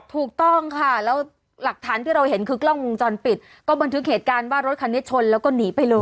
ถูกต้องค่ะแล้วหลักฐานที่เราเห็นคือกล้องวงจรปิดก็บันทึกเหตุการณ์ว่ารถคันนี้ชนแล้วก็หนีไปเลย